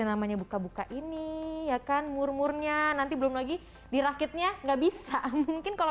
namanya buka buka ini ya kan murmurnya nanti belum lagi dirakitnya nggak bisa mungkin kalau